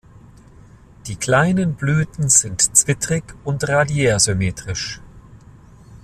Die kleinen Blüten sind zwittrig und radiärsymmetrisch.